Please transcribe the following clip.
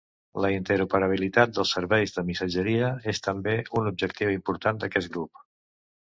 La interoperabilitat dels serveis de missatgeria és també un objectiu important d'aquest grup.